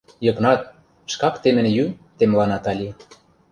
— Йыгнат, шкак темен йӱ, — темла Натали.